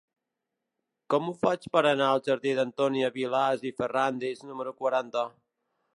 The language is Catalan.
Com ho faig per anar al jardí d'Antònia Vilàs i Ferràndiz número quaranta?